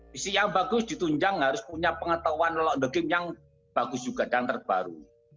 fisik yang bagus ditunjang harus punya pengetahuan lolok negerim yang bagus juga dan terbaru